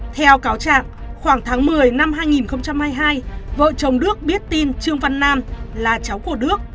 theo cáo trạng khoảng tháng một mươi năm hai nghìn hai mươi hai vợ chồng đức biết tin trương văn nam là cháu của đức